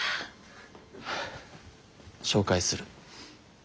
紹介する。